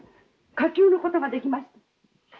火急のことができました。